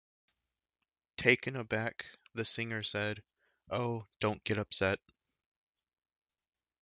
Taken aback, the singer said, Oh, don't get upset.